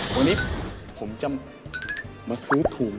วันนี้ผมจะมาซื้อถุง